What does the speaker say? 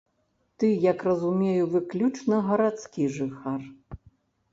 Ты, як разумею, выключна гарадскі жыхар.